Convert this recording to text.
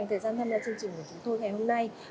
thời gian tham gia chương trình của chúng tôi ngày hôm nay